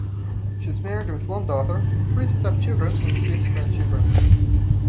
She is married with one daughter, three stepchildren and six grandchildren.